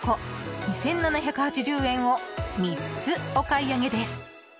２７８０円を３つお買い上げです。